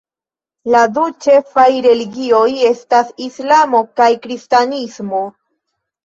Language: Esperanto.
La du ĉefaj religioj estas Islamo kaj Kristanismo.